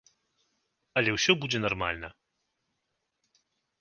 Але ўсё будзе нармальна.